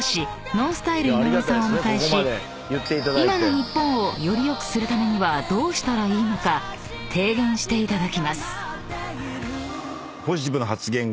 ＮＯＮＳＴＹＬＥ井上さんをお迎えし今の日本をより良くするためにはどうしたらいいのか提言していただきます］